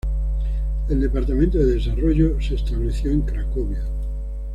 El departamento de Desarrollo se estableció en Cracovia.